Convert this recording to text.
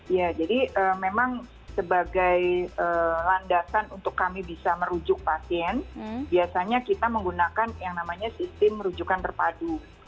ya jadi memang sebagai landasan untuk kami bisa merujuk pasien biasanya kita menggunakan yang namanya sistem rujukan terpadu